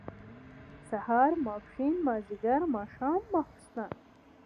سهار ، ماسپښين، مازيګر، ماښام ، ماسخوتن